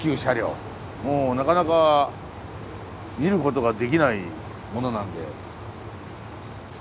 もうなかなか見ることができないものなんで。